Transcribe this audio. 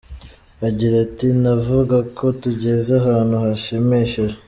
Agira ati “Navuga ko tugeze ahantu hashimishije.